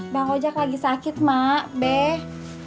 bang ojek lagi sakit mak beh